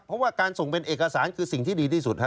เพราะว่าการส่งเป็นเอกสารคือสิ่งที่ดีที่สุด